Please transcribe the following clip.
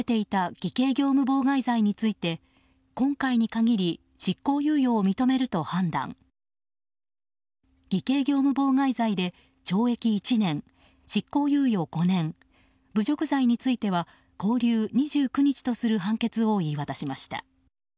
偽計業務妨害罪で懲役１年執行猶予５年侮辱罪については拘留２９日とする判決を言い渡しました。